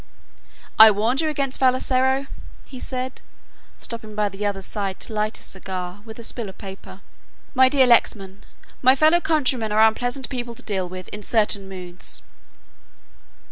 "I warned you against Vassalaro," he said, stooping by the other's side to light his cigar with a spill of paper. "My dear Lexman, my fellow countrymen are unpleasant people to deal with in certain moods."